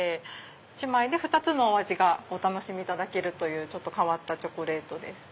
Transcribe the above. １枚で２つのお味がお楽しみいただけるというちょっと変わったチョコレートです。